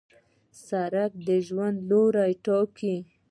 سړک د ژوند لوری ټاکي.